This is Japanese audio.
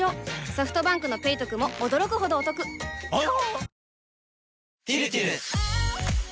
ソフトバンクの「ペイトク」も驚くほどおトクわぁ！